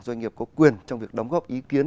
doanh nghiệp có quyền trong việc đóng góp ý kiến